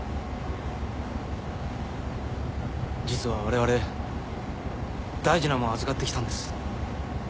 実は我々大事なもん預かってきたんです